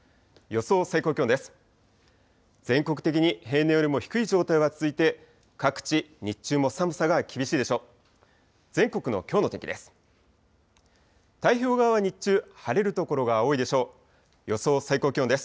予想最高気温です。